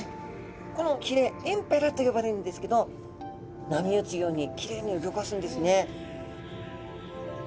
このひれエンペラとよばれるんですけど波打つようにキレイにうギョかすんですね。